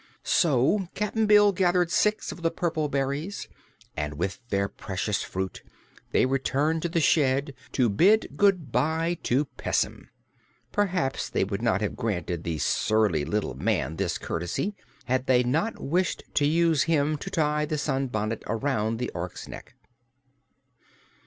So Cap'n Bill gathered six of the purple berries and with their precious fruit they returned to the shed to big good bye to Pessim. Perhaps they would not have granted the surly little man this courtesy had they not wished to use him to tie the sunbonnet around the Ork's neck.